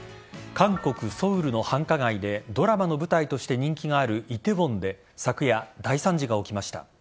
韓国・ソウルの繁華街でドラマの舞台として人気がある梨泰院で昨夜、大惨事が起きました。